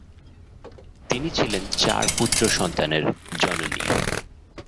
তিনি ছিলেন চার পুত্র সন্তানের জননী।